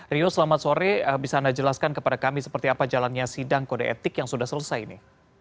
rio selamat sore bisa anda jelaskan kepada kami seperti apa jalannya sidang kode etik yang sudah selesai ini